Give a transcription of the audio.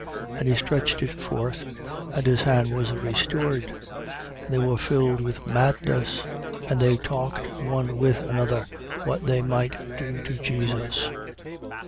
And he stretched it forth. And his hand was restored. 6:11. And they were filled with madness: and they talked one with another, what they might do to Jesus.